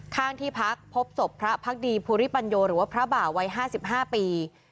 ข้างที่พักพบศพพระพักดีภูริปัญโยหรือว่าพระบ่าวัย๕๕ปี